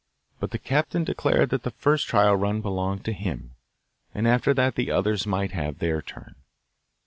But the captain declared that the first trial belonged to him, and after that the others might have their turn.